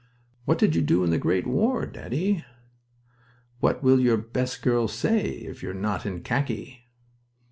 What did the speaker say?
... "What did you do in the Great War, Daddy?"... "What will your best girl say if you're not in khaki?"